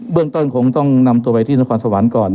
เบื้องต้นคงต้องนำตัวไปที่สำความสะวันก่อน